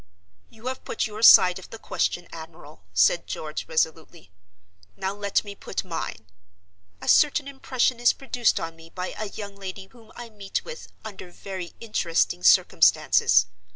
"You have put your side of the question, admiral," said George resolutely; "now let me put mine. A certain impression is produced on me by a young lady whom I meet with under very interesting circumstances.